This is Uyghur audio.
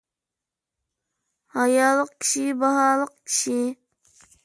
ھايالىق كىشى – باھالىق كىشى.